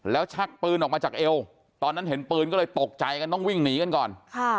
แล้วชักปืนออกมาจากเอวตอนนั้นเห็นปืนก็เลยตกใจกันต้องวิ่งหนีกันก่อน